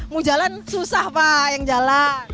mau jalan susah pak yang jalan